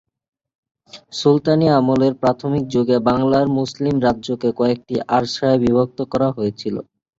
সুলতানি আমলের প্রাথমিক যুগে বাংলার মুসলিম রাজ্যকে কয়েকটি আরসায় বিভক্ত করা হয়েছিল।